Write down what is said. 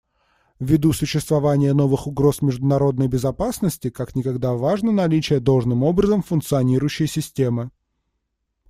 Ввиду существования новых угроз международной безопасности как никогда важно наличие должным образом функционирующей системы.